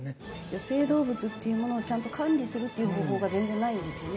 野生動物っていうものをちゃんと管理するっていう方法が全然ないんですよね